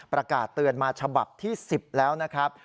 ประกาศเตือนมาฉบับที่๑๐แล้วนะครับ